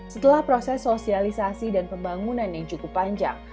setelah proses sosialisasi dan pembangunan yang cukup panjang